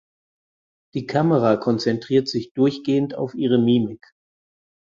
Die Kamera konzentriert sich durchgehend auf ihre Mimik.